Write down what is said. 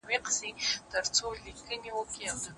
ما ویل زه به ستا ښایستې سینې ته